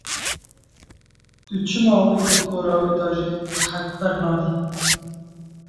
Çima tu wî di gora wî de jî rehet bernadî.